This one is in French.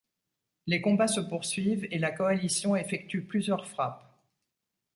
Les combats se poursuivent et la coalition effectue plusieurs frappes.